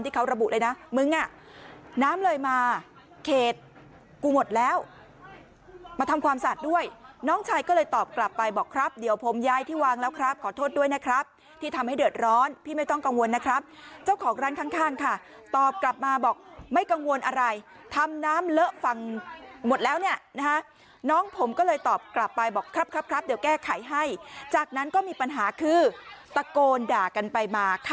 เขาระบุเลยนะมึงอ่ะน้ำเลยมาเขตกูหมดแล้วมาทำความสะอาดด้วยน้องชายก็เลยตอบกลับไปบอกครับเดี๋ยวผมย้ายที่วางแล้วครับขอโทษด้วยนะครับที่ทำให้เดือดร้อนพี่ไม่ต้องกังวลนะครับเจ้าของร้านข้างค่ะตอบกลับมาบอกไม่กังวลอะไรทำน้ำเลอะฟังหมดแล้วเนี่ยนะฮะน้องผมก็เลยตอบกลับไปบอกครับครับเดี๋ยวแก้ไขให้จากนั้นก็มีปัญหาคือตะโกนด่ากันไปมา